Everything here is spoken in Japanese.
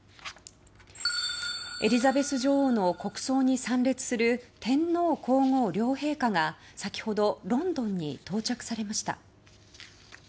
エリザベス女王の国葬に参列する天皇・皇后両陛下が、先ほどロンドンに到着されました。